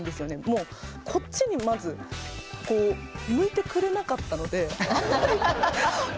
もうこっちにまずこう向いてくれなかったので。